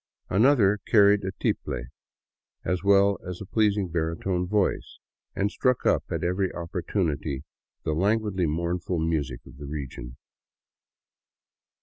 Another carried a tiple, as well as a pleasing baritone voice, and struck up at every oppor tunity the languidly mournful music of the region.